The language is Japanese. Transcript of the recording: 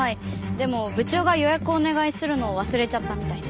でも部長が予約をお願いするのを忘れちゃったみたいで。